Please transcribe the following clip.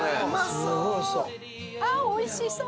ああおいしそう！